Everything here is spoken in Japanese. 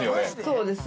そうです。